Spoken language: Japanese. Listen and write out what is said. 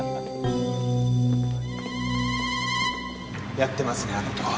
やってますねあの男。